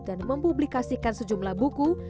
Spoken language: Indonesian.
dan mempublikasikan sejumlah buku